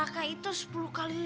stuk biasa mu sekarang